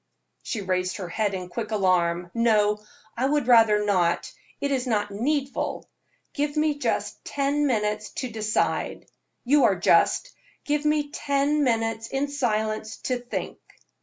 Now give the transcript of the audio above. She raised her head in quick alarm. "No, I would rather not, it is not needful. Give me just ten minutes to decide. You are just; give me ten minutes in silence to think."